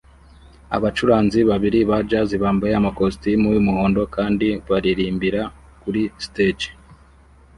Abacuranzi babiri ba jazz bambaye amakositimu yumuhondo kandi baririmbira kuri stage